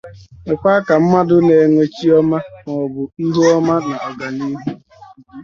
mekwa ka mmadụ na-enwe chi ọma maọbụ ihu ọma na ọganihu